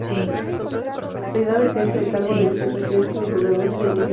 En la actualidad ejerce el cargo de vicepresidente de jugadores del mismo equipo.